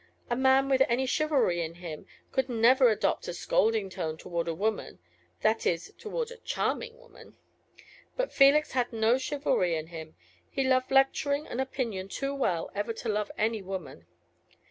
A man with any chivalry in him could never adopt a scolding tone toward a woman that is, toward a charming woman. But Felix had no chivalry in him. He loved lecturing and opinion too well ever to love any woman.